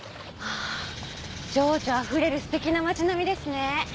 ああ情緒あふれる素敵な町並みですね。